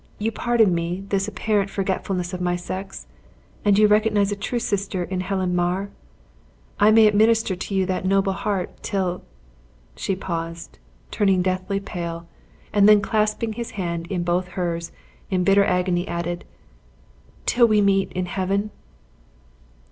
you pardon me this apparent forgetfulness of my sex; and you recognize a true sister in Helen Mar? I may administer to that noble heart, till " she paused, turning deathly pale, and then clasping his hand in both hers, in bitter agony added, "till we meet in heaven!"